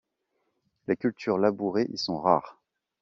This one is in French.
Les cultures labourées y sont rares.